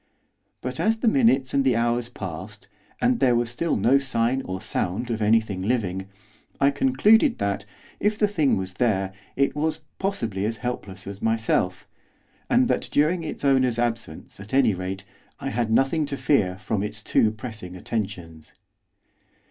But, as the minutes and the hours passed, and there was still no sign or sound of anything living, I concluded that, if the thing was there, it was, possibly, as helpless as myself, and that during its owner's absence, at any rate, I had nothing to fear from its too pressing attentions.